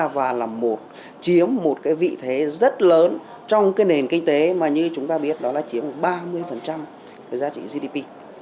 và là một chiếm một cái vị thế rất lớn trong cái nền kinh tế mà như chúng ta biết đó là chiếm ba mươi cái giá trị gdp